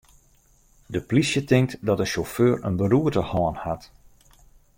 De plysje tinkt dat de sjauffeur in beroerte hân hat.